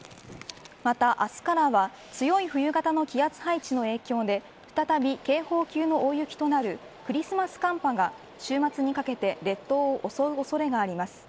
また明日からは強い冬型の気圧配置の影響で再び警報級の大雪となるクリスマス寒波が週末にかけて列島を襲う恐れがあります。